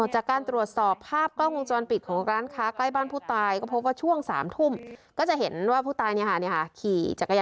หัวใจคลออยู่แล้วนะคะ